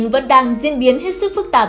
vẫn đang diễn biến hết sức phức tạp